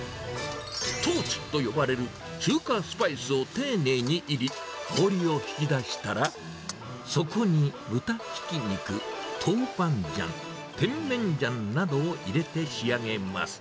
豆鼓と呼ばれる中華スパイスを丁寧にいり、香りを引き出したら、そこに豚ひき肉、トウバンジャン、テンメンジャンなどを入れて仕上げます。